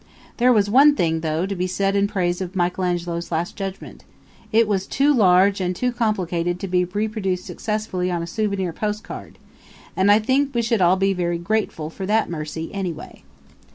There was one thing, though, to be said in praise of Michelangelo's Last Judgment; it was too large and too complicated to be reproduced successfully on a souvenir postal card; and I think we should all be very grateful for that mercy anyway.